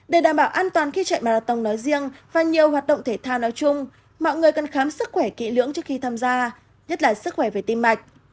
để đảm bảo an toàn khi chạy marathon nói riêng và nhiều hoạt động thể thao nói chung mọi người cần khám sức khỏe kỹ lưỡng trước khi tham gia nhất là sức khỏe về tim mạch